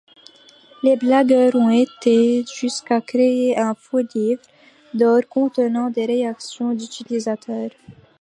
Les blagueurs ont été jusqu’à créer un faux livre d'or contenant des réactions d’utilisateurs.